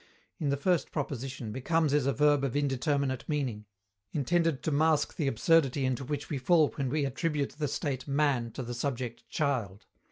In the first proposition, "becomes" is a verb of indeterminate meaning, intended to mask the absurdity into which we fall when we attribute the state "man" to the subject "child."